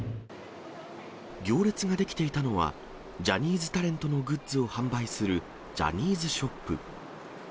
行列が出来ていたのは、ジャニーズタレントのグッズを販売するジャニーズショップ。